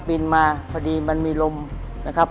บินมาพอดีมันมีลมนะครับ